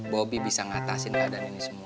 bobi bisa ngatasin keadaan ini semua